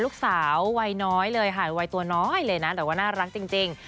ลูกสาววัยน้อยเลยค่ะวัยตัวน้อยเลยนะแต่ว่าน่ารักจริง